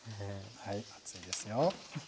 はい熱いですよ。